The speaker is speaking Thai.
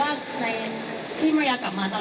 ตอนนี้เป็นอะไรที่มิริยาพูดตั้งแต่แรกแล้ว